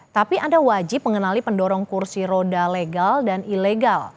tapi anda wajib mengenali pendorong kursi roda legal dan ilegal